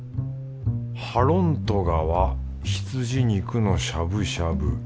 ハロントガは羊肉のしゃぶしゃぶ。